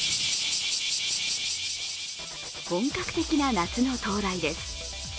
本格的な夏の到来です。